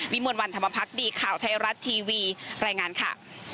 วิมวลวันธรรมพักษณ์ดีข่าวไทยรัตน์ทีวีแรงงานค่ะ